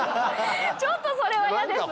ちょっとそれは嫌ですね。